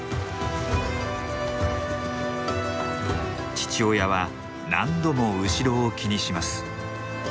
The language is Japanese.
父親は何度も後ろを気にします。